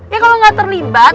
ya kalau nggak terlibat